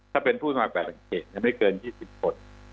ถ้าเป็นผู้สมัครแบบอังเกตยังไม่เกิน๒๐คน